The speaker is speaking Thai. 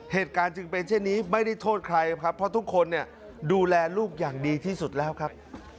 เหตุการณ์จึงเป็นเช่นนี้ไม่ได้โทษใครครับเพราะทุกคนเนี่ยดูแลลูกอย่างดีที่สุดแล้วครับ